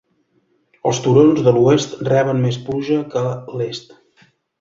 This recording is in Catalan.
Els turons de l'oest reben més pluja que l'est.